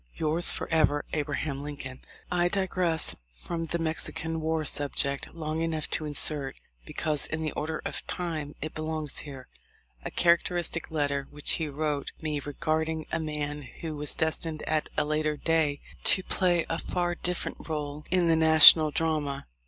"Yours forever, "A. Lincoln." 282 THE LIFE 0F LINCOLN. I digress from the Mexican war subject long enough to insert, because in the order of time it belongs here, a characteristic letter which he wrote me regarding a man who was destined at a later day to play a far different role in the national drama.